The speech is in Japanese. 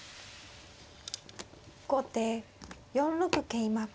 後手４六桂馬。